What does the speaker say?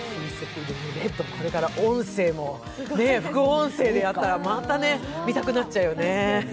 これから音声も副音声でやったらまた見たくなっちゃうよね。